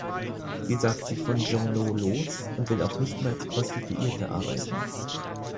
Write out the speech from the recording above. Sie sagt sich von Jeannot los und will auch nicht mehr als Prostituierte arbeiten.